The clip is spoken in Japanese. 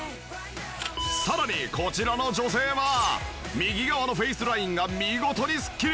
さらにこちらの女性は右側のフェイスラインが見事にスッキリ！